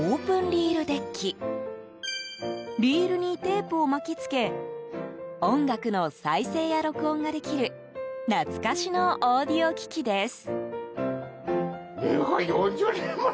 リールにテープを巻き付け音楽の再生や録音ができる懐かしのオーディオ機器です。